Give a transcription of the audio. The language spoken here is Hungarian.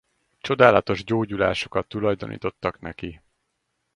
Csodálatos gyógyulásokat tulajdonítottak neki.